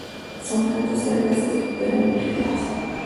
Son plantas herbáceas perennifolias.